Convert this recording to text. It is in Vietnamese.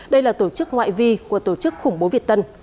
đây là tổ chức ngoại vi của tổ chức khủng bố việt tân